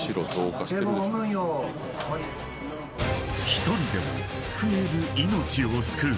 ［１人でも救える命を救う］